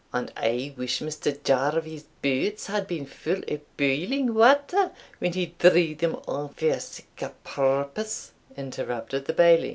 "And I wish Mr. Jarvie's boots had been fu' o' boiling water when he drew them on for sic a purpose," interrupted the Bailie.